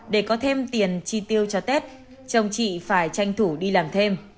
để có thêm tiền chi tiêu cho tết chồng chị phải tranh thủ đi làm thêm